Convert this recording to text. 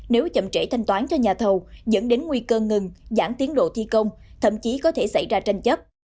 nếu chậm trễ thanh toán cho nhà thầu dẫn đến nguy cơ ngừng giảm tiến độ thi công thậm chí có thể xảy ra tranh chấp